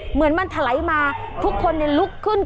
เหมือนมันถลายมาทุกคนลุกขึ้น